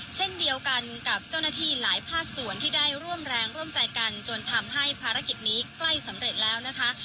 เช่นเดียวกันกับเจ้าหน้าที่หลายภาคส่วนที่ได้ร่วมแรงร่วมใจกันจนทำให้ภารกิจนี้ใกล้สำเร็จแล้วนะคะ